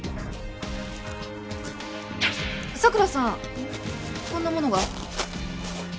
佐倉さんこんなものが。